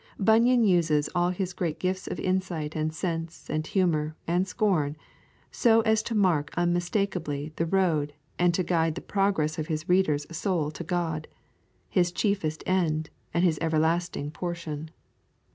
Bunyan uses all his great gifts of insight and sense and humour and scorn so as to mark unmistakably the road and to guide the progress of his reader's soul to God, his chiefest end and his everlasting portion.